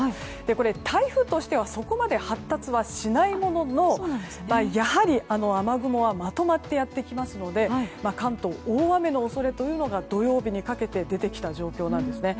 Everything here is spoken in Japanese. これ、台風としてはそこまで発達はしないもののやはり雨雲はまとまってやってきますので関東、大雨の恐れというのが土曜日にかけて出てきた状況なんですね。